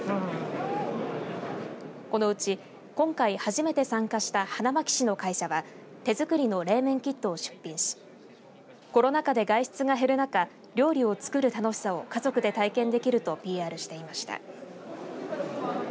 このうち今回初めて参加した花巻市の会社は手づくりの冷麺キットを出品しコロナ禍で外出が減る中料理をつくる楽しさを家族で体験できるとＰＲしていました。